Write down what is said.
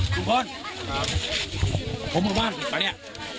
ลุงพลลุงพลผมอยู่บ้านผิดป่ะเนี่ย